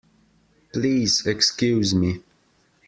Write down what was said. Please excuse me.